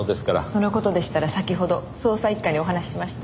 その事でしたら先ほど捜査一課にお話ししました。